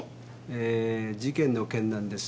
えー事件の件なんです。